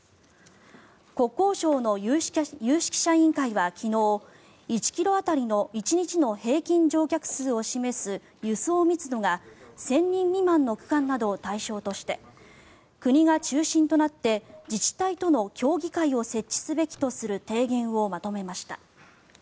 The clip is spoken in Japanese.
国交省の有識者委員会は昨日１ｋｍ当たりの１日の平均乗客数を示す輸送密度が１０００人未満の区間などを対象として国が中心となって自治体との協議会を設置すべきとする提言をまとめました。